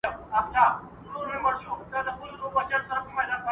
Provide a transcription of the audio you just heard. که موږ په پښتو وغږیږو، نو اړیکې به قوي شي.